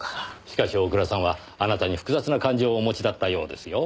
しかし大倉さんはあなたに複雑な感情をお持ちだったようですよ。